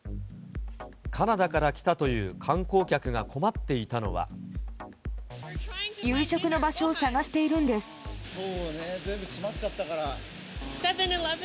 カナダから来たという観光客夕食の場所を探しているんで全部閉まっちゃったから。